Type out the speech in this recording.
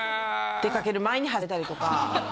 出かける前に始めたりとか。